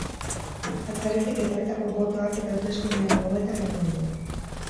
Atzerritik etorritako botoak eta hauteskundeen gogoeta egingo dugu.